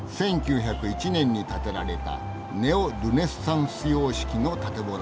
１９０１年に建てられたネオ・ルネサンス様式の建物だそうだ。